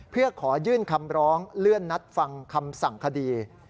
เพื่อขอยื่นคำร้องเลื่อนนัดฟังคำสั่งคดี